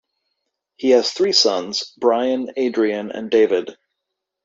He has three sons Brian, Adrian and David.